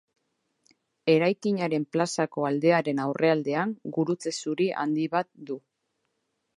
Eraikinaren plazako aldearen aurrealdean gurutze zuri handi bat du.